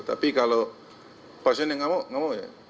tapi kalau pasien yang nggak mau nggak mau ya